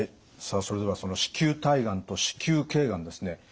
さあそれではその子宮体がんと子宮頸がんですね